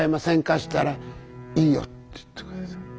って言ったら「いいよ」って言って下さった。